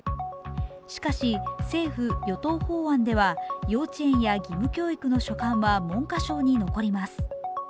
しかし、政府・与党法案では、幼稚園や義務教育の所管は文科省に残ります。